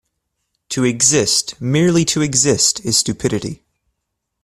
To exist merely to exist is stupidity.